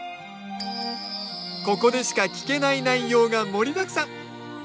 ここでしか聞けない内容が盛りだくさん！